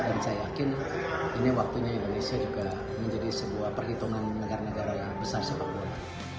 dan saya yakin ini waktunya indonesia juga menjadi sebuah perhitungan negara negara yang besar sepak bola